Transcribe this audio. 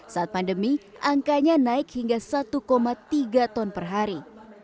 saat pandemi angkanya naik hingga satu tiga ton per hari